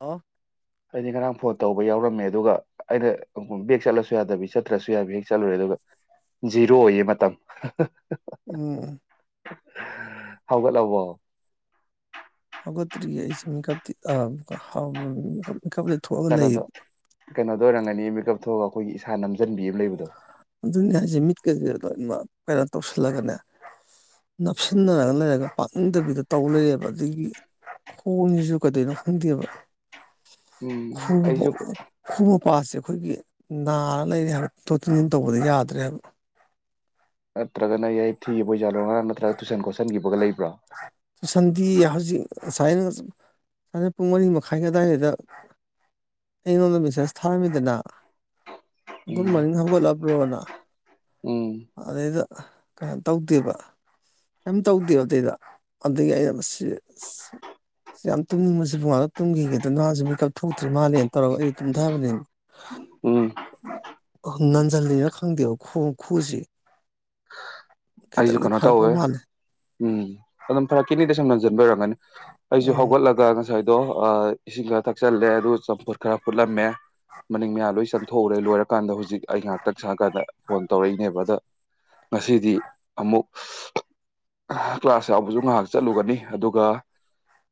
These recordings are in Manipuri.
ꯑ ꯑꯩꯗꯤ ꯉꯔꯥꯡ ꯐꯣꯟ ꯇꯧꯕ ꯌꯥꯎꯔꯝꯃꯦ ꯑꯗꯨꯒ ꯑꯩꯅ ꯕꯦꯛ ꯆꯠꯂꯁꯨ ꯌꯥꯗꯕꯤ ꯆꯠꯇ꯭ꯔꯁꯨ ꯌꯥꯕꯤ ꯍꯦꯛ ꯆꯠꯂꯨꯔꯦ ꯑꯗꯨꯒ ꯖꯤꯔꯣ ꯑꯣꯏꯌꯦ ꯃꯇꯝ ꯎ ꯍꯧꯒꯠꯂꯕꯣ ꯍꯧꯒꯠꯇ꯭ꯔꯤ ꯑꯩꯁꯤ ꯃꯞꯥꯎ ꯏꯀꯞꯗ ꯊꯣꯛꯑꯒ ꯂꯩꯌꯦꯕ ꯂꯣꯏꯔꯝꯒꯅꯤ ꯃꯤꯀꯞ ꯊꯣꯛꯑꯒ ꯑꯩꯈꯣꯏꯒꯤ ꯏꯁꯥ ꯅꯝ ꯑꯗꯨ ꯍꯥꯏꯖꯦ ꯃꯤꯠ ꯀꯁꯦ ꯂꯣꯏꯅꯃꯛ ꯀꯩꯅꯣ ꯇꯧꯁꯤꯜꯂꯒꯅꯦ ꯅꯞꯁꯤꯟꯅꯔꯒ ꯂꯩꯔꯒ ꯄꯥꯛꯅꯤꯡꯗꯕꯤꯗ ꯇꯧ ꯂꯩꯌꯦꯕ ꯑꯗꯒꯤ ꯈꯣꯡꯁꯤꯁꯨ ꯀꯩꯗꯣꯏꯅꯣ ꯈꯪꯗꯦꯕ ꯎꯝ ꯈ ꯑꯩꯁꯨ ꯈꯨꯕ ꯄꯦ ꯑꯩꯈꯣꯏꯒꯤ ꯅꯥꯔ ꯂꯩꯔꯤ ꯍꯥꯏꯕ ꯇꯣ ꯇꯤꯟꯁꯤꯟ ꯇꯧꯕꯗ ꯌꯥꯗ꯭ꯔꯦꯕ ꯑ ꯅꯠꯇ꯭ꯔꯒꯅ ꯌꯥꯏ ꯊꯤꯈꯤꯕꯒꯤ ꯂꯣꯔ ꯅꯠꯇ꯭ꯔꯒ ꯇꯨꯏꯁꯟ ꯈꯣꯠꯆꯟꯈꯤꯕꯒ ꯂꯩꯕ꯭ꯔꯥ ꯁꯟꯗꯤ ꯍꯧꯖꯤꯛ ꯉꯁꯥꯏꯅ ꯁꯥꯏ ꯄꯨꯡ ꯃꯔꯤ ꯃꯈꯥꯏ ꯑꯗꯨꯗꯥꯋꯥꯏꯗ ꯑꯩꯉꯣꯟꯗ ꯃꯦꯁꯦꯖ ꯊꯥꯔꯝꯃꯤꯗꯅ ꯨꯗ ꯎꯝ ꯃꯣꯔꯅꯤꯡ ꯍꯪꯀꯣꯜ ꯕ꯭ꯔꯣꯅ ꯎꯝ ꯑꯗꯨꯗꯩꯗ ꯀꯩꯅꯣ ꯇꯧꯗꯦꯕ ꯀꯩꯔꯤꯝ ꯇꯧꯗꯦꯕ ꯑꯗꯨꯗꯩꯗ ꯑꯗꯒꯤ ꯑꯩꯅ ꯌꯥꯝ ꯇꯨꯝꯅꯤꯡꯕꯁꯤ ꯃꯉꯥꯗ ꯇꯨꯝꯈꯤꯒꯦꯗ ꯅꯍꯁꯤꯦ ꯃꯦꯀꯞ ꯊꯣꯛꯇ꯭ꯔꯤ ꯃꯥꯜꯂꯦꯅ ꯇꯧꯔꯒ ꯑꯩꯗꯤ ꯇꯨꯝꯊꯕꯅꯤꯅ ꯎꯝ ꯅꯟꯁꯤꯜꯂꯤꯅ ꯈꯪꯗꯦꯕ ꯈꯨꯁꯤ ꯑꯩꯁꯨ ꯈꯤꯇꯪꯗꯤ ꯀꯩꯅꯣ ꯐꯔꯛꯄ ꯇꯧꯋꯦ ꯃꯥꯜꯂꯦ ꯎꯝ ꯑꯗꯨꯝ ꯈꯥꯔ ꯀꯤꯅꯤꯗ ꯁꯨꯝ ꯅꯟꯖꯟꯕꯔꯒꯅꯤ ꯑꯩꯁꯨ ꯎꯝ ꯍꯧꯒꯠꯂꯒ ꯉꯁꯥꯏꯗꯣ ꯏꯁꯤꯡ ꯈꯔ ꯊꯛꯆꯜꯂꯦ ꯑꯗꯨ ꯆꯝꯐꯨꯠ ꯈꯔ ꯐꯨꯠꯂꯝꯃꯦ ꯃꯅꯤꯡ ꯃꯌꯥ ꯂꯣꯏ ꯆꯪꯊꯣꯛꯎꯔꯦ ꯂꯣꯏꯔꯀꯥꯟꯗ ꯍꯧꯖꯤꯛ ꯑꯩ ꯉꯥꯏꯍꯥꯛꯇꯪ ꯁꯀꯥꯟꯗ ꯐꯣꯟ ꯇꯧꯔꯛꯏꯅꯦꯕ ꯑꯗ ꯉꯁꯤꯗꯤ ꯑꯃꯨꯛ ꯀ꯭ꯂꯥꯁ ꯌꯥꯎꯕꯁꯨ ꯉꯥꯏꯍꯥꯛ ꯆꯠꯂꯨꯒꯅꯤ ꯑꯗꯨꯒ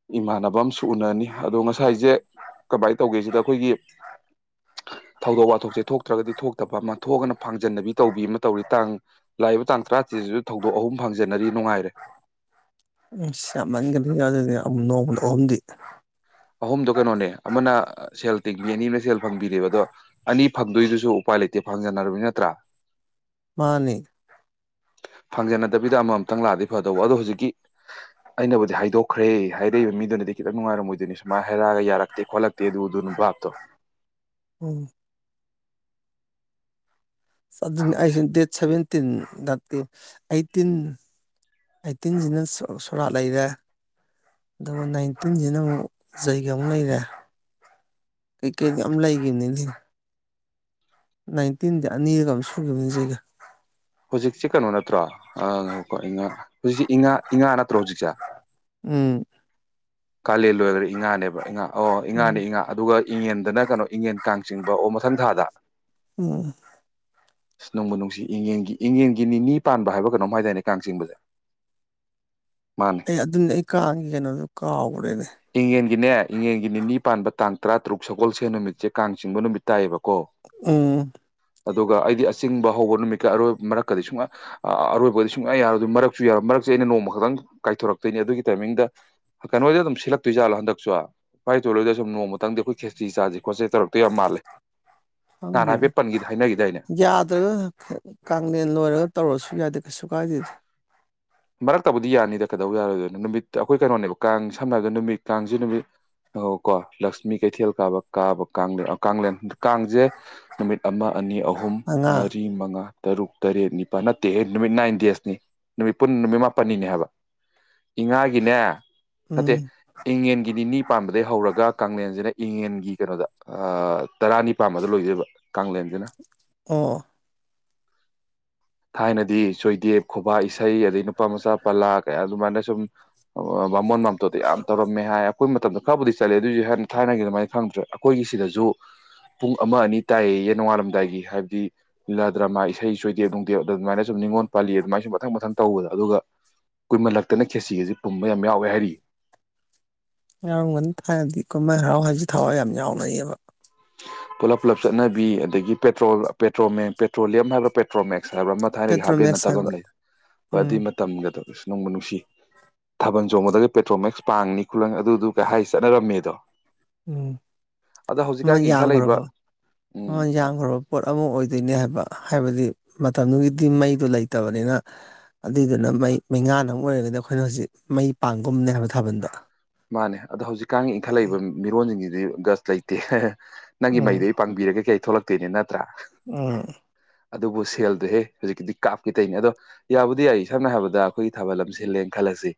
ꯏꯃꯥꯟꯅꯕ ꯑꯨ ꯎꯅꯅꯤ ꯑꯗꯣ ꯉꯁꯥꯏꯁꯦ ꯀꯃꯥꯏꯅ ꯇꯧꯒꯦꯁꯤꯗ ꯑꯩꯈꯣꯏꯒꯤ ꯊꯧꯗꯣꯛ ꯋꯥꯊꯣꯛꯁꯦ ꯊꯣꯛꯇ꯭ꯔꯒꯗꯤ ꯊꯣꯛꯇꯕ ꯑꯃ ꯊꯣꯛꯑꯅ ꯐꯥꯡꯖꯟꯅꯕꯤ ꯇꯧꯕꯤ ꯑꯃ ꯇꯧꯔꯤ ꯇꯥꯡ ꯂꯥꯛꯏꯕ ꯇꯥꯡ ꯇꯔꯥ ꯁꯃ ꯀ ꯅ ꯑꯣꯝꯗꯤ ꯑꯍꯨꯝꯗ ꯀꯩꯅꯣꯅꯦ ꯑꯃꯅꯦꯜ ꯇꯤꯕꯤ ꯑꯅꯤ ꯃꯁꯦꯜ ꯐꯪꯕꯤꯗꯦꯕ ꯑꯗꯣ ꯑꯅꯤ ꯐꯪꯗꯣꯏꯗꯨꯁꯨ ꯎꯄꯥꯏ ꯂꯩꯇꯦ ꯐꯪꯖꯅꯔꯕꯅꯤ ꯅꯠꯇ꯭ꯔꯥ ꯃꯥꯅꯤ ꯐꯪꯖꯅꯗꯕꯤꯗ ꯑꯃꯃꯝꯇꯪ ꯂꯥꯛꯑꯗꯤ ꯐꯗꯧꯕ ꯑꯗꯣ ꯍꯧꯖꯤꯛꯀꯤ ꯑꯩꯅꯕꯨꯗꯤ ꯍꯥꯏꯗꯣꯛꯈ꯭ꯔꯦ ꯍꯥꯏꯔꯛꯏꯕ ꯃꯤꯗꯨꯅꯗꯤ ꯈꯤꯇꯪ ꯅꯨꯡꯉꯥꯏꯔꯝꯃꯣꯏꯗ ꯑꯗꯨꯅꯤ ꯁꯨꯃꯥꯏꯅ ꯍꯥꯏꯔꯛꯑꯒ ꯌꯥꯔꯛꯇꯦ ꯈꯣꯠꯂꯛꯇꯦ ꯑꯗꯨ ꯑꯗꯨꯅ ꯚꯥꯞꯇꯣ ꯎꯝ ꯈꯪꯗꯦ ꯁꯁ ꯗꯦꯠ ꯁꯚꯦꯟ ꯑꯩꯠꯇꯤꯟ ꯑꯩꯠꯇꯤꯟ ꯑꯩꯠꯇꯤꯟꯁꯤꯅ ꯁꯣꯔꯥꯠ ꯂꯩꯔꯦ ꯑꯗꯨꯒ ꯅꯥꯏꯟꯇꯤꯟꯁꯤꯅ ꯑꯃꯨꯛ ꯖꯩꯒ ꯑꯃꯨꯛ ꯂꯩꯔꯦ ꯀꯩꯀꯩ ꯑꯃ ꯂꯩꯈꯤꯕꯅꯤ ꯅꯥꯏꯟꯇꯤꯟꯗꯤ ꯑꯅꯤꯔꯒ ꯑꯃꯝ ꯁꯨꯈꯤꯕꯅꯤ ꯁꯤꯒ ꯍꯧꯖꯤꯛꯁꯦ ꯀꯩꯅꯣ ꯅꯠꯇ꯭ꯔꯣ ꯑꯀꯣ ꯏꯉꯥ ꯍꯧꯖꯤꯛꯁꯤꯦꯥ ꯏꯉꯥ ꯅꯠꯇ꯭ꯔꯣ ꯍꯧꯖꯤꯛꯁꯦ ꯎꯝ ꯀꯥꯂꯦꯟ ꯂꯣꯏꯈ꯭ꯔ ꯏꯉꯥꯅꯦꯕ ꯏꯉꯥ ꯑꯣ ꯏ ꯎꯝ ꯉꯥꯅꯦ ꯏꯉꯥ ꯑꯗꯨꯒ ꯏꯉꯟꯗꯅ ꯀꯩꯅꯣ ꯏꯉꯟ ꯀꯥꯡ ꯆꯤꯡꯕ ꯑꯣ ꯃꯊꯪ ꯊꯥꯗ ꯎꯝ ꯑꯁ ꯅꯣꯡꯃ ꯅꯨꯡꯁꯤꯒꯤ ꯏꯉꯟꯒꯤ ꯅꯤꯅꯤ ꯄꯥꯟꯕ ꯍꯥꯏꯕ ꯀꯩꯅꯣꯝ ꯍꯥꯏꯗꯥꯏꯅꯦ ꯀꯥꯡ ꯆꯤꯡꯕꯁꯦ ꯃꯥꯅꯦ ꯑꯩ ꯑꯗꯨꯝꯅꯦ ꯑꯩ ꯀꯉ ꯀꯩꯅꯣꯗꯨꯣ ꯀꯥꯎꯈ꯭ꯔꯦꯅꯦ ꯏꯉꯟꯒꯤꯅꯦ ꯏꯉꯟꯒꯤ ꯅꯤꯅꯤ ꯄꯥꯟꯕ ꯇꯥꯡ ꯇꯔꯥ ꯁꯣꯜ ꯁ ꯅꯨꯃꯤꯠ ꯆ ꯀ ꯀꯥꯡ ꯆꯤꯡꯕ ꯅꯨꯃꯤꯠ ꯇꯥꯏꯌꯦꯕꯀꯣ ꯎꯝ ꯑꯗꯨꯒ ꯑꯩꯗꯤ ꯑꯆꯤꯡꯕ ꯍꯧꯕ ꯅꯨꯃꯤꯠꯀ ꯑꯔꯣꯏꯕ ꯃꯔꯛꯀꯗꯤ ꯁꯨꯡꯌꯥ ꯑꯔꯣꯏꯕꯗꯗꯤ ꯁꯨꯡꯌꯥ ꯌꯥꯔꯣꯏ ꯑꯗꯨ ꯃꯔꯛꯁꯨ ꯌꯥꯔꯣꯏ ꯃꯔꯛꯁꯦ ꯑꯩꯅ ꯅꯣꯡꯃ ꯈꯛꯇꯪ ꯀꯥꯏꯊꯣꯔꯛꯇꯣꯏꯅꯤ ꯑꯗꯨꯒꯤ ꯇꯥꯏꯃꯤꯡꯗ ꯀꯩꯅꯣꯗ ꯑꯗꯨꯝꯜꯂꯛ ꯇꯨꯏꯖꯥꯂꯣ ꯍꯟꯗꯛꯁꯨꯨꯚꯥꯏ ꯇꯣꯂꯣꯏꯗ ꯁꯨꯝ ꯅꯣꯡꯃꯇꯗꯤ ꯑꯩꯈꯣꯏ ꯈꯦꯇꯁꯤ ꯆꯥꯁꯁꯤ ꯅꯍꯥꯟ ꯈꯪꯗꯦꯗ ꯍꯥꯏꯐꯦꯠ ꯄꯟꯈꯤ ꯍꯥꯏꯅꯈꯤꯗꯥꯏꯅꯦ ꯌꯥꯗ꯭ꯔꯒ ꯀꯂꯦꯟ ꯂꯣꯏꯔꯒ ꯇꯧꯔꯁꯨ ꯌꯥꯗꯦ ꯁꯨ ꯀꯥ ꯑꯗꯨꯠ ꯃꯔꯛꯇꯕꯨꯗꯤ ꯌꯥꯅꯤꯗ ꯀꯩꯗꯧ ꯌꯥꯔꯣꯏꯗꯣꯏꯅꯣ ꯅꯨꯃꯤꯠꯇ ꯑꯩꯈꯣꯏ ꯀꯩꯅꯣꯅꯦꯕ ꯀꯥꯡ ꯁꯝꯅ ꯍꯥꯏꯔꯕꯗ ꯅꯨꯃꯤꯠ ꯀꯥꯡꯁꯤꯦ ꯅꯨꯃꯤꯠ ꯑ ꯀꯣ ꯂꯛꯁꯃꯤ ꯀꯩꯊꯦꯜ ꯀꯥꯕ ꯀꯥꯕ ꯦꯟ ꯀꯂꯦꯟ ꯀꯥꯡꯁꯦ ꯅꯨꯃꯤꯠ ꯑꯃ ꯑꯅꯤ ꯑꯍꯨꯝ ꯃꯉꯥ ꯃꯔꯤ ꯃꯉꯥ ꯇꯔꯨꯛ ꯇꯔꯦꯠ ꯅꯤꯄꯥꯜ ꯅꯠꯇꯦ ꯅꯨꯃꯤꯠ ꯅꯥꯏꯟ ꯗꯦꯁꯅꯤ ꯅꯨꯠ ꯄꯨꯟꯅ ꯅꯨꯃꯤꯠ ꯃꯥꯄꯟꯅꯤꯅꯦ ꯍꯥꯏꯕ ꯏꯉꯥꯒꯤꯅꯦ ꯅꯠꯇꯦ ꯎꯝ ꯏꯪꯉꯦꯟꯒꯤ ꯅꯤꯅꯤ ꯄꯥꯟꯕꯗꯒꯤꯩ ꯍꯧꯔꯒ ꯀꯦꯟꯁꯤꯅ ꯏꯉꯟꯒꯤ ꯀꯩꯅꯣꯗ ꯇꯔꯥꯅꯤꯄꯥꯥꯟꯃꯗ ꯂꯣꯏꯗꯣꯏꯕ ꯀꯦꯟꯁꯤꯅ ꯑꯣ ꯊꯥꯏꯅꯗꯤ ꯁꯣꯏꯗꯦꯞ ꯈꯨꯕꯥꯛ ꯏꯁꯩ ꯑꯗꯩ ꯅꯨꯄꯥ ꯃꯆꯥ ꯄꯂꯥ ꯀꯌꯥ ꯑꯗꯨꯃꯥꯏꯅ ꯁꯨꯝ ꯃꯃꯣꯟ ꯃꯝꯇꯣꯗꯣ ꯌꯥꯝ ꯇꯧꯔꯝꯃꯦ ꯍꯥꯏ ꯑꯩꯈꯣꯏ ꯃꯇꯝꯗ ꯈꯔꯕꯨꯗꯤ ꯆꯠꯂꯦ ꯑꯗꯨꯑꯣꯏꯁꯨ ꯍ ꯊꯥꯏꯅꯒꯤ ꯑꯗꯨꯃꯥꯏꯅ ꯈꯪꯗ꯭ꯔꯦ ꯑꯩꯈꯣꯏꯒꯤ ꯁꯤꯗꯁꯨ ꯄꯨꯡ ꯑꯃ ꯑꯅꯤ ꯇꯥꯏꯌꯦꯌꯦ ꯅꯣꯡꯉꯥꯜꯂꯝꯗꯥꯏꯒꯤ ꯍꯥꯏꯕꯗꯤ ꯂꯤꯂꯥ ꯗ꯭ꯔꯃꯥ ꯏꯁꯩ ꯁꯣꯏꯗꯦ ꯑꯗꯨ ꯑꯗꯨꯃꯥꯏꯅ ꯁꯨꯝ ꯅꯤꯡꯉꯣꯜ ꯄꯥꯜꯂꯤ ꯑꯗꯨꯃꯥꯏꯅ ꯁꯨꯝ ꯃꯊꯪ ꯃꯊꯪ ꯇꯧꯕꯗ ꯑꯗꯨꯒ ꯀꯨꯏꯃꯜꯂꯛꯇꯅ ꯈꯦꯁꯤꯒꯁꯤ ꯄꯨꯝꯕ ꯌꯥꯝ ꯌꯥꯎꯋꯦ ꯍꯥꯏꯔꯤ ꯌꯥꯎꯔꯝꯒꯅ ꯊꯥꯏꯔꯗꯤ ꯀꯨꯝꯍꯥꯏ ꯍꯔꯥꯎ ꯍꯥꯏꯁ ꯊꯋꯥꯏ ꯌꯥꯝ ꯌꯥꯎꯅꯩꯌꯦꯕ ꯄꯨꯂꯞ ꯄꯨꯂꯞ ꯆꯠꯅꯕꯤ ꯑꯗꯒꯤ ꯄꯦꯇ꯭ꯔꯣꯜ ꯄꯦꯇ꯭ꯔꯣꯜ ꯃ ꯄꯦꯇ꯭ꯔꯣꯂꯤꯌꯝ ꯍꯥꯏꯕ꯭ꯔꯥ ꯄꯦꯇ꯭ꯔꯣꯜ ꯃ ꯁꯅꯕ꯭ꯔ ꯑꯃ ꯊꯥꯏꯅꯒꯤ ꯍꯥꯞꯄꯦꯟ ꯄꯦꯇ꯭ꯔꯣꯃꯦꯛꯁ ꯅꯠꯇꯕ ꯍꯥꯏꯕ ꯑꯃ ꯂꯩ ꯍꯣꯏ ꯎꯝ ꯑꯗꯨꯏ ꯃꯇꯝꯒꯗꯧꯔꯤ ꯅꯕ ꯅꯨꯡꯁꯤ ꯊꯥꯕꯜ ꯆꯣꯡꯕꯗꯒꯤꯒ ꯄꯦꯇ꯭ꯔꯣꯜ ꯃꯦꯛꯁ ꯄꯥꯡꯅꯤ ꯈꯨꯂꯪ ꯑꯗꯨꯗꯨ ꯀꯩ ꯍꯥꯏ ꯆꯠꯅꯔꯝꯃꯦꯗꯣ ꯎꯝ ꯑꯗ ꯍꯧꯖꯤꯛ ꯃꯃꯜ ꯌꯥꯝꯈ꯭ꯔꯕ ꯃꯃꯜ ꯌꯥꯝꯈ꯭ꯔꯕ ꯄꯣꯠ ꯑꯃ ꯑꯣꯏꯗꯣꯏꯅꯦ ꯍꯥꯏꯕ ꯍꯥꯏꯕꯗꯤ ꯃꯇꯝꯗꯨꯒꯤꯗꯤ ꯃꯩꯗꯣ ꯂꯩꯇꯕꯅꯤꯅ ꯑꯗꯨꯏꯗꯨꯅ ꯃꯩ ꯃꯩꯉꯥꯥꯟ ꯑꯃ ꯑꯣꯏꯔꯒꯗꯤ ꯑꯩꯈꯣꯏꯅ ꯍꯧꯖꯤꯛ ꯃꯩ ꯄꯥꯡꯒꯨꯝꯅꯦ ꯍꯥꯏꯕ ꯊꯥꯕꯜꯗ ꯃꯥꯅꯦ ꯑꯗ ꯍꯧꯖꯤꯛ ꯀꯥꯡꯥꯡ ꯏꯪꯠꯂꯛꯏꯕ ꯃꯤꯔꯣꯟꯁꯤꯡꯁꯤ ꯒꯁ ꯂꯩꯇꯦ ꯅꯪꯒꯤ ꯃꯩꯗꯣ ꯑꯩ ꯄꯥꯡꯕꯤꯔꯒꯦ ꯀꯩ ꯊꯣꯛꯂꯛꯛꯇ ꯠꯇꯤꯅꯤ ꯅꯠꯇ꯭ꯔꯥ ꯎ ꯑꯗꯨꯕꯨ ꯁꯦꯜꯗꯣꯍꯦ ꯍꯧꯖꯤꯛꯀꯤꯗꯤ ꯀꯥꯞꯀꯦ ꯇꯩꯅꯤ ꯑꯗꯣ ꯌꯥꯕꯨꯗꯤ ꯌꯥꯏ ꯁꯝꯅ ꯍꯥꯏꯔꯕꯗ ꯑꯩꯈꯣꯏꯒꯤ ꯊꯥꯕꯜ ꯂꯝ ꯁꯤꯜꯂꯦꯅ ꯈꯜꯂꯁꯤ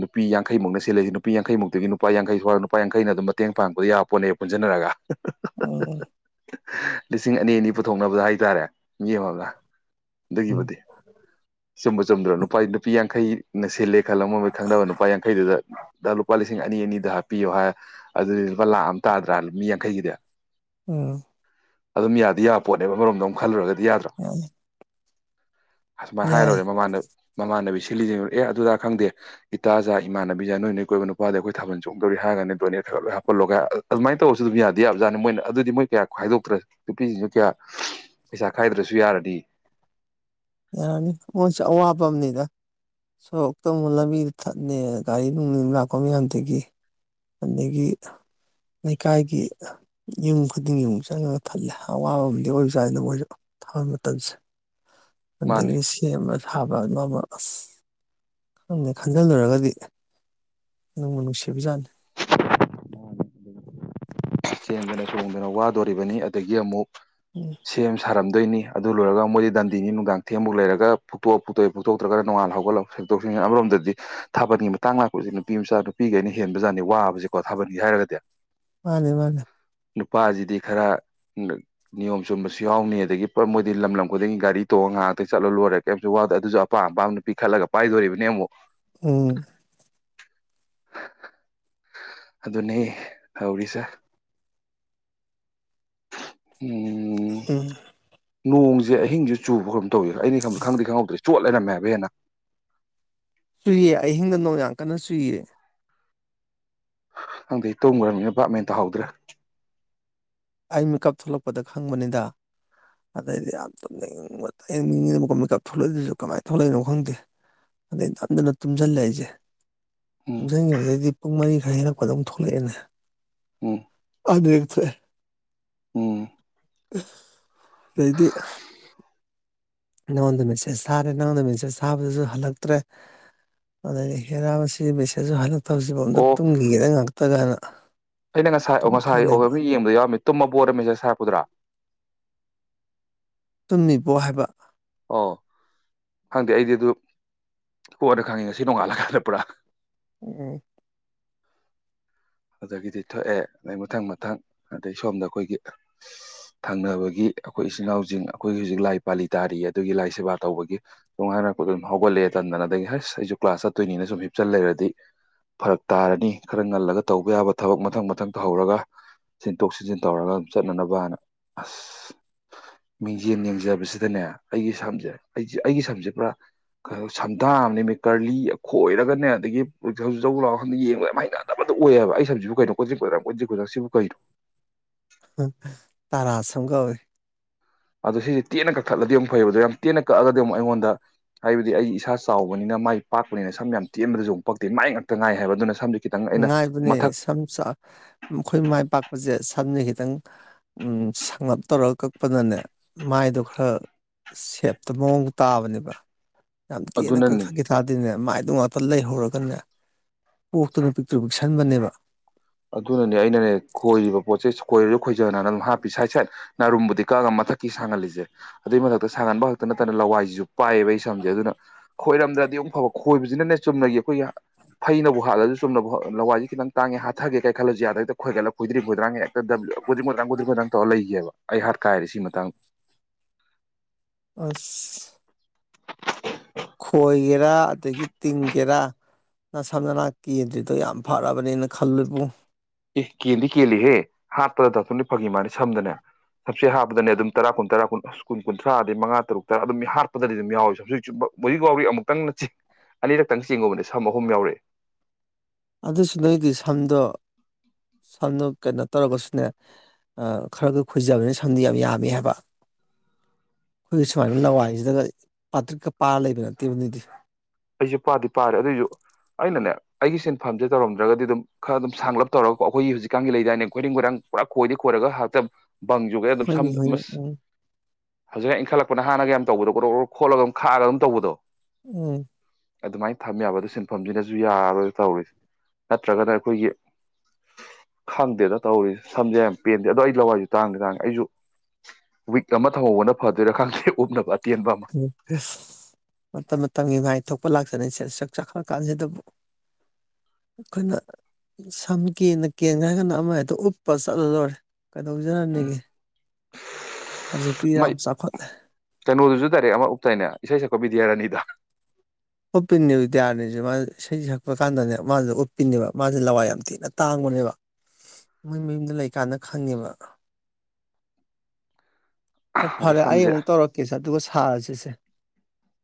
ꯅꯨꯄꯤ ꯌꯥꯡꯈꯩꯃꯨꯛꯅ ꯁꯤꯂꯁꯤ ꯅꯨ ꯅꯨꯄꯤ ꯌꯥꯡꯈꯩꯃꯨꯛꯇꯒꯤ ꯅꯨꯄꯥ ꯌꯥꯡꯈꯩ ꯁ꯭ꯋꯥꯗ ꯅꯨꯄꯥ ꯌꯥꯡꯈꯩꯅ ꯑꯗꯨꯝ ꯃꯇꯦꯡꯥꯡꯕꯗ ꯌꯥꯕꯄꯣꯅꯦꯕ ꯄꯨꯟꯟꯅꯔꯒ ꯑꯣ ꯂꯤꯁꯤꯡ ꯑꯅꯤ ꯑꯅꯤ ꯄꯨꯊꯣꯛꯅꯕꯗ ꯍꯥꯏꯇꯥꯔꯦ ꯃꯤ ꯑꯃꯝꯅ ꯎꯝ ꯗꯒꯤꯕꯗꯤ ꯆꯨꯝꯕ ꯆꯨꯝꯗ꯭ꯔꯣ ꯅꯨꯄꯥ ꯅꯨꯄꯤ ꯌꯥꯡꯈꯩꯅꯂ ꯍꯦꯜꯂꯝꯃꯣꯏ ꯈꯪꯅꯕ ꯅꯨꯄꯥ ꯌꯥꯡꯈꯩꯗꯨꯗ ꯂꯨꯄꯥ ꯂꯤꯁꯤꯡ ꯑꯅꯤ ꯑꯅꯤꯗ ꯍꯥꯞꯄꯤꯌꯣ ꯍꯥꯏ ꯑꯗꯨꯗꯤ ꯂꯨꯄꯥ ꯂꯥꯛ ꯑꯃ ꯇꯥꯗ꯭ꯔꯥ ꯃꯤ ꯌꯥꯡꯈꯩꯒꯤꯗꯤ ꯎꯝ ꯑꯗꯨꯝ ꯌꯥꯗꯤ ꯌꯥꯕ ꯄꯣꯠꯅꯦꯕ ꯑꯃꯔꯣꯝꯗ ꯑꯃꯨꯛ ꯈꯜꯂꯨꯔꯒꯗꯤ ꯌꯥꯗ꯭ꯔꯥ ꯑꯃꯥꯏꯅ ꯌꯥꯏ ꯍꯥꯏꯔꯨꯔꯦ ꯃꯃꯥꯟ ꯃꯃꯥꯟꯅꯕꯤꯁ ꯊꯤꯜꯂꯤꯁ ꯑꯦ ꯑꯗꯨꯗ ꯈꯪꯗꯦ ꯏꯇꯥ ꯖꯥ ꯏꯃꯥꯟꯅꯕꯤꯖꯥ ꯅꯣꯏ ꯅꯣꯏ ꯑꯀꯣꯏꯕ ꯅꯨꯄꯥꯗꯤ ꯑꯩꯈꯣꯏ ꯊꯥꯕꯜ ꯆꯣꯡꯗꯧꯔꯤ ꯍꯥꯏꯔꯒ ꯗꯣꯅꯦꯠ ꯈꯔ ꯈ ꯂꯣꯏ ꯍꯥꯞꯄꯜꯂꯣꯒ ꯑꯗꯨꯃꯥꯏꯅ ꯇꯧꯔꯁꯨ ꯑꯗꯨꯝ ꯌꯥꯗꯦ ꯌꯥꯕꯖꯥꯠꯅꯤ ꯃꯣꯏꯅ ꯑꯗꯨꯗꯤ ꯃꯣꯏ ꯀꯌꯥ ꯈꯥꯏꯗꯣꯛꯇ꯭ꯔ ꯅꯨꯄꯤꯁꯤꯡꯁꯨ ꯀꯌꯥ ꯄꯩꯁꯥ ꯈꯥꯏꯗ꯭ꯔꯁꯨ ꯌꯥꯔꯗꯤ ꯌꯥꯔꯅꯤ ꯃꯣꯏꯁꯨ ꯑꯋꯥꯕ ꯑꯃꯅꯤꯗ ꯁꯣꯔꯣꯛꯇ ꯑꯃꯨꯛ ꯂꯝꯕꯤꯗ ꯊꯠꯅꯤ ꯒꯥꯔꯤ ꯅꯨꯡ ꯅꯨꯡ ꯂꯥꯛꯄ ꯃꯌꯥꯝꯗꯒꯤ ꯑꯗꯒꯤ ꯂꯩꯀꯥꯏꯒꯤ ꯌꯨꯝ ꯈꯨꯗꯤꯡꯒꯤ ꯑꯃꯨꯛ ꯆꯪꯉꯒ ꯊꯠꯂꯦ ꯑꯋꯥꯕ ꯑꯃꯗꯤ ꯑꯣꯏꯕꯖꯥꯠꯅꯤꯗ ꯃꯣꯏꯁꯨ ꯊꯕꯛ ꯃꯇꯝꯁꯦ ꯃꯥꯅꯦ ꯑꯗꯒꯤꯗ ꯁꯤ ꯑꯃ ꯊꯥꯕ ꯑꯃ ꯑꯃ ꯑꯁ ꯈꯟꯕꯨ ꯈꯟꯖꯤꯜꯂꯨꯔꯒꯗꯤ ꯅꯨꯡꯕꯨ ꯅꯨꯡꯁꯤꯕꯖꯥꯠꯅꯤ ꯆꯦꯟꯗꯅ ꯆꯣꯡꯗꯅ ꯋꯥꯗꯣꯔꯤꯕꯅꯤ ꯑꯗꯒꯤ ꯑꯃꯨꯛ ꯎꯝ ꯁꯦꯝ ꯁꯥꯔꯝ ꯗꯣꯏꯅꯤ ꯑꯗꯨ ꯂꯣꯏꯔꯒ ꯃꯣꯏꯗꯤ ꯗꯟꯗꯤꯅꯤ ꯅꯨꯡꯗꯥꯡ ꯊꯦꯝꯃꯨꯛ ꯂꯩꯔꯒ ꯐꯨꯛꯇꯣꯛ ꯐꯨꯛꯇꯣꯛꯇ꯭ꯔꯒꯅ ꯅꯣꯡꯉꯥꯜꯥꯎꯒꯂ ꯁꯦꯡꯇꯣꯛ ꯁꯦꯡꯖꯤꯟ ꯑꯃꯔꯣꯝꯗꯗꯤ ꯊꯥꯕꯟꯒꯤ ꯃꯇꯥꯡ ꯂꯥꯛꯄ ꯍꯧꯁꯤ ꯅꯨꯄꯤ ꯃꯆꯥ ꯅꯨꯄꯤꯈꯩꯅ ꯍꯦꯟꯕꯖꯥꯠꯅꯤ ꯋꯥꯕꯁꯤꯀꯣ ꯊꯥꯕꯜꯒꯤ ꯍꯥꯏꯔꯒꯗꯤ ꯃꯥꯅꯦ ꯃꯥꯅꯦ ꯅꯨꯄꯥꯁꯤꯗꯤ ꯈꯔ ꯅꯤꯌꯣꯝ ꯆꯨꯝꯕꯁꯨ ꯌꯥꯎꯅꯤ ꯑꯗꯒꯤ ꯃꯣꯏꯗꯤ ꯂꯝ ꯂꯝ ꯈꯨꯗꯤꯡꯒꯤ ꯒꯥꯔꯤ ꯇꯣꯡꯉꯒ ꯉꯥꯏꯍꯥꯛꯇ ꯆꯠꯂ ꯂꯣꯏꯔꯒ ꯀꯔꯤꯝꯁꯨ ꯋꯥꯗꯦ ꯑꯗꯨꯁꯨ ꯑꯄꯥꯝ ꯑꯄꯥꯝꯕ ꯅꯨꯄꯤ ꯈꯜꯂꯒ ꯄꯥꯏꯗꯣꯔꯤꯕꯅꯦ ꯑꯃꯨꯛ ꯎꯝ ꯑꯗꯨꯅꯦ ꯇꯧꯔꯤꯁꯦ ꯎꯝ ꯎꯝ ꯅꯣꯡꯁꯦ ꯑꯍꯤꯡꯁꯨ ꯆꯨꯕ ꯀꯩꯅꯣꯝ ꯇꯧ ꯑꯩ ꯈꯪꯗꯤ ꯈꯪꯍꯧꯗ꯭ꯔꯦ ꯆꯣꯠ ꯂꯩꯔꯝꯃꯦ ꯍꯥꯏꯕ ꯍꯦꯟꯅ ꯆꯨꯏꯌꯦ ꯑꯍꯤꯡꯗ ꯅꯣꯡ ꯌꯥꯝ ꯀꯟꯅ ꯆꯨꯏꯌꯦ ꯈꯪꯗꯦ ꯇꯨꯝꯃꯨꯔꯕꯅꯤꯅ ꯕꯥꯕ ꯃꯦꯟ ꯇꯥꯍꯧꯗ꯭ꯔꯦ ꯑꯩ ꯃꯤꯀꯞ ꯊꯣꯛꯂꯛꯄꯗ ꯈꯪꯕꯅꯤꯗ ꯑꯗꯩꯗꯤ ꯌꯥꯝ ꯇꯨꯝꯅꯤꯡꯃꯟꯉꯤ ꯃꯤꯀꯞ ꯊꯣꯛꯂꯛꯏꯗꯨꯁꯨ ꯀꯃꯥꯏꯅ ꯊꯣꯛꯂꯛꯏꯅꯣ ꯈꯪꯗꯦ ꯑꯗꯩ ꯅꯝꯗꯨꯅ ꯇꯨꯝꯁꯤꯜꯂꯦ ꯑꯩꯁꯦ ꯎꯝ ꯇꯨꯝꯖꯤꯟꯒꯤꯕꯗꯒꯤꯗꯤ ꯄꯨꯡ ꯃꯔꯤ ꯩꯅꯀ ꯑꯗꯨꯝ ꯊꯣꯛꯂꯛꯑꯦꯅꯦ ꯎꯝ ꯑꯗꯨꯗꯒꯤ ꯊꯣꯛꯑꯦ ꯎꯝ ꯑꯗꯩꯗꯤ ꯅꯉꯣꯟꯗ ꯃꯦꯁꯦꯖ ꯊꯥꯔꯦ ꯅꯉꯣꯟꯗ ꯃꯦꯁꯦꯖ ꯊꯥꯕꯗꯁꯨ ꯍꯜꯂꯛꯇ꯭ꯔꯦ ꯑꯗꯩꯗꯤ ꯍꯦꯔꯥ ꯁꯤ ꯃꯦꯁꯦꯖꯁꯨ ꯍꯜꯂꯛ ꯃ ꯊꯁꯤꯐ ꯑꯝꯇ ꯑꯣ ꯇꯨꯝꯒꯤꯑꯦꯗ ꯉꯥꯏꯍꯥꯛꯇ ꯀꯥꯏꯅ ꯑꯩꯅ ꯉꯁꯥꯏ ꯑꯣ ꯑꯗꯨꯨꯝ ꯉꯁꯥꯏ ꯑꯣ ꯊꯣꯛꯍꯂꯕ ꯃꯤ ꯌꯦꯡꯕꯗ ꯌꯥꯎꯔꯝꯃꯤ ꯇꯨꯝꯃꯕꯣꯅ ꯃꯦꯁꯦꯖ ꯊꯥꯔꯛꯄꯗꯨꯔꯥ ꯇꯨꯝꯃꯤꯕꯣ ꯍꯥꯏꯕ ꯑꯣ ꯈꯪꯗꯦ ꯑꯩꯗꯤ ꯑꯗꯨ ꯀꯣꯟꯅ ꯈꯪꯉꯤ ꯉꯁꯤ ꯅꯣꯡꯉꯥꯜꯂ ꯀꯥꯟꯗ ꯄꯨꯔꯥ ꯎꯝ ꯑꯗꯒꯤꯗꯤ ꯊꯣꯛꯑꯦ ꯑꯗꯩ ꯃꯊꯪ ꯃꯊꯪ ꯑꯗꯩ ꯁꯣꯝꯗ ꯑꯩꯈꯣꯏꯒꯤ ꯊꯪꯅꯕꯒꯤ ꯑꯩꯈꯣꯏ ꯏꯆꯤꯟ ꯏꯅꯥꯎꯁꯤꯡ ꯑꯩꯈꯣꯏꯒꯤ ꯍꯧꯖꯤꯛ ꯂꯥꯏ ꯄꯥꯂꯤ ꯇꯥꯔꯤꯌꯦ ꯑꯗꯨꯒꯤ ꯂꯥꯏ ꯁꯦꯕꯥ ꯇꯧꯕꯒꯤ ꯇꯣꯡꯉꯥꯏꯅꯔꯛꯄ ꯑꯗꯨꯝ ꯍꯧꯒꯠꯂꯛꯑꯦ ꯇꯟꯗꯅ ꯑꯗꯒꯤ ꯍꯁ ꯑꯩꯁꯨ ꯀ꯭ꯂꯥꯁ ꯆꯠꯇꯣꯏꯅꯤꯅ ꯁꯨꯝ ꯍꯤꯞꯆꯜ ꯂꯩꯔꯗꯤ ꯐꯔꯛ ꯇꯥꯔꯅꯤ ꯈꯔ ꯉꯜꯂꯒ ꯇꯧꯕ ꯌꯥꯕ ꯊꯕꯛ ꯃꯊꯪ ꯃꯊꯪ ꯇꯧꯍꯧꯔꯒ ꯁꯤꯟꯇꯣꯛ ꯁꯤꯟꯖꯤꯟ ꯇꯧꯔꯒ ꯑꯗꯨꯝ ꯆꯠꯅꯅꯕ ꯍꯥꯏꯅ ꯑꯁ ꯃꯤꯡꯖꯦꯜ ꯌꯦꯡꯖꯕꯁꯤꯗꯅꯦ ꯑꯩꯒꯤ ꯁꯝꯁꯦ ꯑꯩꯁꯦ ꯑꯩꯒꯤ ꯁꯝꯁꯦ ꯄꯨꯔꯥ ꯁꯝꯗꯥ ꯑꯃꯅꯦ ꯃꯤ ꯀꯔꯂꯤ ꯈꯣꯏꯔꯒꯅꯦ ꯑꯗꯒꯤ ꯖꯧꯖꯧ ꯂꯥꯎ ꯌꯦꯡꯕ ꯑꯇ ꯑꯣꯏꯌꯦꯕ ꯑꯩ ꯁꯛꯖꯤꯕꯨ ꯀꯩꯅꯣ ꯀꯣꯆꯤꯡꯛꯖ ꯀꯣꯆꯤꯡꯖꯥꯛ ꯁꯤꯕꯨ ꯀꯩꯅꯣ ꯇꯔꯥꯁꯝ ꯀꯧꯋꯦ ꯑꯗꯣ ꯁꯤꯁꯦ ꯇꯦꯟꯅ ꯀꯛꯊꯠꯂꯗꯤ ꯑꯃꯨꯛ ꯐꯩꯕ ꯑꯗꯣ ꯌꯥꯝ ꯇꯦꯟꯅ ꯀꯛꯑꯒꯗꯤ ꯑꯃꯨꯛ ꯑꯩꯉꯣꯟꯗ ꯍꯥꯏꯕꯗꯤ ꯑꯩ ꯏꯁꯥ ꯆꯥꯎꯕꯅꯤꯅ ꯃꯥꯏ ꯄꯥꯛꯄꯅꯤꯅ ꯁꯝ ꯌꯥꯝ ꯇꯦꯟꯕꯗꯁꯨ ꯑꯃꯨꯛ ꯄꯛꯇꯦ ꯃꯥꯏ ꯉꯥꯛꯛꯇ ꯉꯥꯏ ꯍꯥꯏꯕ ꯑꯗꯨꯅ ꯁꯝꯗꯤ ꯉꯥꯏꯕꯅꯦ ꯁꯝ ꯑꯩꯈꯣꯏ ꯃꯥꯏ ꯄꯥꯛꯄꯁꯦ ꯁꯝꯅ ꯍ ꯈꯤꯇꯪ ꯁꯪꯂꯞ ꯇꯧꯔꯒ ꯀꯛꯄꯅꯅꯦ ꯃꯥꯏꯗꯣ ꯈꯔ ꯁꯦꯞꯇ ꯃꯑꯣꯡ ꯇꯥꯕꯅꯦꯕ ꯌꯥꯝ ꯇꯦꯟꯅ ꯑꯗꯨꯅꯅꯤ ꯀꯛꯊꯛꯈꯤꯦ ꯊꯥꯗꯦꯅꯦ ꯃꯥꯏ ꯑꯗꯨ ꯉꯥꯛꯇ ꯂꯩꯍꯧꯔꯒꯅꯦ ꯄꯔꯞ ꯄꯤꯛꯛꯇ꯭ꯔ ꯄꯤꯛꯁꯟꯕꯅꯦꯕ ꯑꯗꯨꯅꯅꯦ ꯑꯩꯅꯅꯦ ꯈꯣꯏꯔꯤꯕ ꯄꯣꯠꯁꯦ ꯈꯣꯏꯔꯤꯕ ꯑꯩꯈꯣꯏꯖꯅ ꯑꯗꯨꯝ ꯍꯥꯄꯤ ꯁꯥꯏꯠ ꯁꯥꯏꯠ ꯅꯥꯔꯨꯝꯕꯨꯗꯤ ꯀꯛꯒ ꯃꯊꯛ ꯀ ꯁꯉꯂꯤꯁꯦ ꯑꯗꯨꯏ ꯃꯊꯛꯇ ꯁꯥꯒꯕ ꯈꯥꯛꯛꯇꯅ ꯅꯠꯇꯅ ꯂꯋꯥꯏꯖꯨꯨꯞ ꯄꯥꯏꯑꯌꯦꯕ ꯑꯩ ꯁꯝꯁꯦ ꯑꯗꯨꯅ ꯈꯣꯏꯔꯝꯗ꯭ꯔꯗꯤ ꯑꯃꯨꯛ ꯐꯕ ꯈꯣꯏꯕꯁꯤꯅꯅꯦ ꯆꯨꯝꯅꯒꯤ ꯑꯩꯈꯣꯏꯒꯤ ꯐꯩꯅꯕꯨ ꯍꯥꯠꯂꯁꯨ ꯆꯨꯝꯅꯕꯕꯨ ꯂꯋꯥꯏꯁꯦ ꯈꯤꯇꯪ ꯇꯥꯡꯉꯦ ꯆꯠꯊꯒꯦ ꯀꯩ ꯈꯜꯂꯁꯤ ꯑꯗ ꯍꯛꯇ ꯈꯣꯏꯒꯠꯂ ꯍꯣꯏꯏꯗ꯭ꯔꯤ ꯍꯣꯏꯏꯗꯥꯉ ꯍꯦꯛꯇ ꯀꯨꯗ꯭ꯔꯤ ꯃꯨ꯭ꯔꯥꯡ ꯀꯨꯗ꯭ꯔꯤ ꯃꯊ꯭ꯔ ꯇꯧꯔ ꯂꯩꯒꯦꯕ ꯑꯩ ꯍꯥꯠ ꯀꯥꯏꯔꯦ ꯁꯤ ꯃꯇꯥꯡꯗ ꯑꯁ ꯦꯔ ꯑꯗꯒꯤ ꯇꯤꯡꯒꯦꯔꯥ ꯅ ꯁꯝ ꯅꯅ ꯀꯦꯟꯗ꯭ꯔꯤꯗꯣ ꯌꯥꯝ ꯐꯔꯕꯅꯤꯅ ꯈꯜꯂꯕꯨ ꯑꯦ ꯀꯦꯟꯗꯤ ꯀꯦꯜꯂꯤꯍꯦ ꯍꯥꯠꯄꯗ ꯗꯥꯛꯇꯣꯗꯤ ꯐꯪꯈꯤ ꯃꯥꯅꯤ ꯁꯝꯗꯅꯦ ꯁꯝꯆꯦꯠ ꯍꯥꯞꯄꯗꯅꯦ ꯑꯗꯨꯝ ꯇꯔꯥ ꯀꯨꯟ ꯇꯔꯥ ꯀꯨꯟ ꯀꯨꯟꯊ꯭ꯔꯥ ꯑꯗꯩ ꯃꯉꯥ ꯇꯔꯨꯛ ꯇꯔꯥ ꯑꯗꯨꯝ ꯍꯥꯠꯄꯗꯗꯤ ꯑꯗꯨꯝ ꯌꯥꯎꯏ ꯁꯝꯁꯦ ꯍꯧꯖꯤꯛ ꯌꯥꯎꯔꯤ ꯑꯃꯨꯛꯇꯪ ꯆꯤꯡ ꯑꯅꯤꯔꯛꯇꯪ ꯆꯤꯡꯒꯨꯝꯕꯅꯦ ꯁꯝ ꯑꯍꯨꯝ ꯌꯥꯎꯔꯛꯑꯦ ꯑꯗꯨꯁꯨ ꯅꯣꯏꯒꯤ ꯁꯝꯗꯣ ꯁꯝꯗꯣ ꯀꯩꯅꯣ ꯇꯧꯔꯒꯁꯨꯅꯦ ꯈꯔꯒ ꯈꯣꯏꯖꯕꯅꯤ ꯁꯝꯗꯤꯣ ꯌꯥꯝ ꯌꯥꯝꯃꯤ ꯍꯥꯏꯕ ꯑꯩꯈꯣꯏꯒꯤ ꯁꯨꯃꯥꯏꯅ ꯂꯋꯥꯏꯁꯤꯗꯒ ꯄꯥꯇ꯭ꯔꯤꯛꯀ ꯄꯥꯔ ꯂꯩꯕ ꯅꯠꯇꯦꯕꯅꯤꯗꯤ ꯑꯩꯁꯨ ꯄꯥꯗꯤ ꯄꯥꯔꯦ ꯑꯗꯨꯑꯣꯏꯁꯨ ꯑꯩꯅꯅꯦ ꯑꯩꯒꯤ ꯁꯤꯟꯐꯝꯁꯦ ꯇꯧꯔꯝꯗ꯭ꯔꯒꯗꯤ ꯑꯗꯨꯝ ꯈꯔ ꯑꯗꯨꯝ ꯁꯥꯡꯂꯞ ꯇꯧꯔꯒꯣ ꯑꯩꯈꯣꯏꯒꯤ ꯍꯧꯖꯤꯛꯀꯥꯟꯒꯤ ꯂꯩꯗꯥꯏꯅꯦ ꯈꯣꯏꯔꯡ ꯈꯣꯏꯔꯡ ꯄꯨꯔꯥ ꯈꯣꯏꯗꯤ ꯈꯣꯏꯔꯒ ꯍꯥꯇꯕ ꯕꯪ ꯌꯣꯛꯒꯦ ꯑꯗꯨꯝ ꯍꯣꯏꯅꯦ ꯍꯣꯏꯅꯦ ꯎꯝ ꯁꯝꯁ ꯍꯧꯖꯤꯛꯅ ꯏꯟꯈꯠꯂꯛꯄꯅ ꯍꯥꯟꯅꯒ ꯌꯥꯝ ꯇꯧꯕꯗꯣ ꯀꯣꯛ ꯈꯣꯠꯂꯒꯝ ꯈꯥꯛꯔꯒ ꯑꯗꯨꯝ ꯇꯧꯕꯗꯣ ꯎꯝ ꯑꯗꯨꯃꯥꯏꯅ ꯊꯝ ꯌꯥꯕ ꯑꯗꯨ ꯁꯤꯟꯐꯝꯁꯤꯅꯁꯨ ꯌꯥꯔꯔꯣꯏꯔ ꯇꯧꯔꯤꯁ ꯅꯠꯇ꯭ꯔꯒꯅ ꯑꯩꯈꯣꯏꯒꯤ ꯈꯪꯗꯦꯗ ꯇꯧꯔꯤꯁ ꯁꯝꯁꯦ ꯌꯥꯝ ꯄꯦꯟꯗꯦ ꯑꯗꯣ ꯑꯩ ꯂꯋꯥꯏꯁꯨ ꯇꯥꯡꯗꯦ ꯇꯥꯡꯉꯦ ꯑꯩꯁꯨ ꯋꯤꯛ ꯑꯃ ꯊꯝꯍꯧꯕꯅ ꯐꯗꯣꯏꯔꯥ ꯈꯪꯗꯦ ꯎꯞꯅꯕ ꯑꯇꯦꯟꯕ ꯑꯃ ꯃ ꯃꯥꯏ ꯊꯣꯛꯄ ꯂꯥꯛꯇꯅꯤ ꯁꯦ ꯁꯛ ꯆꯥꯛꯈꯠꯂ ꯀꯥꯟꯁꯤꯗꯕꯨ ꯑꯩꯈꯣꯏꯅ ꯁꯝ ꯀꯦꯅ ꯀꯦꯟꯒꯦ ꯍꯥꯏꯔꯒꯥꯟꯅ ꯑꯃꯗꯣ ꯎꯞꯄ ꯆꯠꯂ ꯂꯣꯏꯔꯦ ꯎꯝ ꯀꯩꯗꯧꯖꯔꯅꯤꯒꯦ ꯍꯧꯖꯤꯛꯇꯤ ꯌꯥꯝ ꯆꯥꯎꯈꯠꯂꯦ ꯍꯥꯏꯇꯥꯔꯦ ꯑꯃ ꯎꯞꯇꯥꯏꯅꯦ ꯏꯁꯩ ꯁꯛꯀꯕꯤꯗꯤꯌꯥꯔꯥꯅꯤꯗ ꯎꯠꯄꯤꯅꯦꯕ ꯏꯇꯌꯥꯔꯅꯤꯁꯦ ꯃꯥ ꯏꯁꯩꯁꯦ ꯁꯛꯄ ꯀꯥꯟꯗꯅꯦ ꯃꯥꯁꯨꯦ ꯎꯞꯄꯤꯅꯦꯦꯕ ꯃꯥꯁꯦ ꯂꯋꯥꯏ ꯌꯥꯝ ꯊꯤꯅ ꯇꯥꯡꯕꯅꯦꯕ ꯃꯣꯏ ꯃꯌꯨꯝꯗ ꯂꯩꯀꯥꯟꯗ ꯈꯪꯉꯦꯕ ꯑꯣ ꯑꯗꯨ ꯐꯔꯦ ꯑꯩ ꯁꯝꯁꯦ ꯎꯟ ꯇꯧꯔꯛ ꯀꯦꯁ ꯑꯗꯨꯒ ꯊꯥꯔꯁꯤꯁꯦ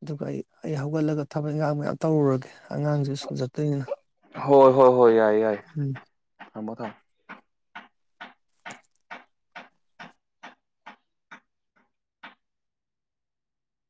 ꯑꯗꯨꯒ ꯑꯩ ꯑꯩ ꯍꯧꯒꯠꯂꯒ ꯊꯕꯛ ꯏꯟꯈꯥꯡ ꯃꯌꯥꯝ ꯇꯧꯔꯨꯔꯒꯦ ꯑꯉꯥꯡꯁꯦ ꯁ꯭ꯀꯨꯜ ꯆꯠꯇꯣꯏꯅ ꯎꯝ ꯍꯝꯕ ꯊ